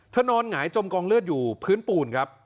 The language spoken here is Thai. นอนหงายจมกองเลือดอยู่พื้นปูนครับ